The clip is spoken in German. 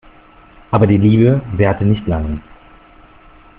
Aber die Liebe währte nicht lang.